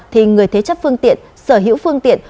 thì người thế chấp phương tiện sở hữu phương tiện